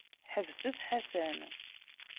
Ḥbset Ḥasan.